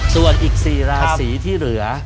ส่วนอีก๔ราศีที่เหลือ